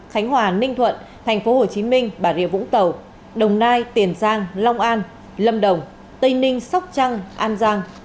khánh hòa ninh thuận tp hcm bà rịa vũng tàu đồng nai tiền giang long an lâm đồng tây ninh sóc trăng an giang